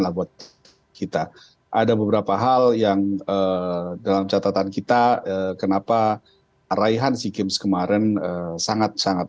lah buat kita ada beberapa hal yang dalam catatan kita kenapa raihan sea games kemarin sangat sangat